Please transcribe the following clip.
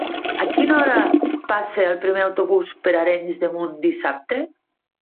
A quina hora passa el primer autobús per Arenys de Munt dissabte?